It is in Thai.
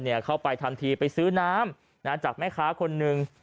เข้าไปทำทีไปซื้อน้ำจากแม่ค้าคนหนึ่ง